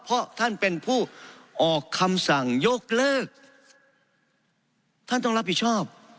เพราะท่านเป็นผู้ออกคำสั่งยกเลิกท่านต้องรับผิดชอบ